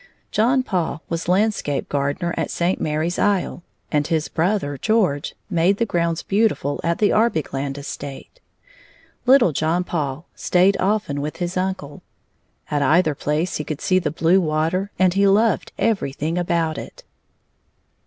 John Paul was landscape gardener at Saint Mary's Isle, and his brother George made the grounds beautiful at the Arbigland estate. Little John Paul stayed often with his uncle. At either place he could see the blue water, and he loved everything about it.